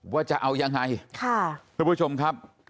ว่าจะเอายังไง